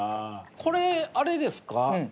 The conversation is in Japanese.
これあれですか？